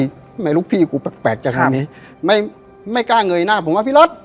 ทำไมลูกพี่กูแปลกจังตรงนี้ไม่ไม่กล้าเงยหน้าผมว่าพี่รถ